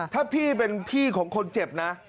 ถ้าพี่เป็นพี่ของคนเจ็บนะ